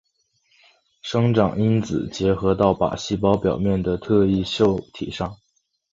生长因子结合到靶细胞表面的特异受体上。